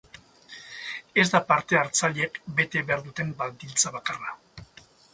Ez da parte-hartzaileek bete behar duten baldintza bakarra.